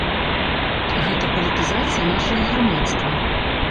Гэта палітызацыя нашага грамадства.